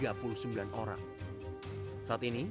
saat ini berita terkini mengenai cuaca ekstrem dua ribu dua puluh satu